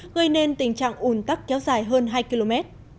gây nên tình trạng ủn tắc kéo dài hơn hai km